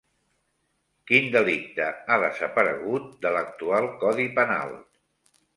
Quin delicte ha desaparegut de l'actual codi penal?